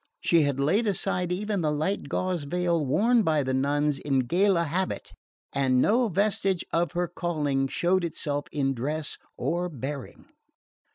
She had laid aside even the light gauze veil worn by the nuns in gala habit, and no vestige of her calling showed itself in dress or bearing.